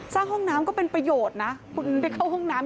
ห้องน้ำก็เป็นประโยชน์นะคุณได้เข้าห้องน้ำ